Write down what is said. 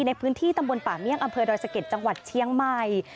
ในพื้นที่ตำบลป่าเมี่ยงอำเภอดอยสะเก็ดจังหวัดเชียงใหม่